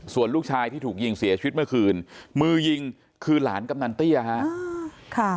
ส่วนลูกชายที่ถูกยิงเสียชีวิตเมื่อคืนมือยิงคือหลานกำนันเตี้ยฮะ